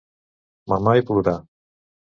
Mamar i plorar.